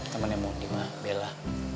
temen yang mau nikah bella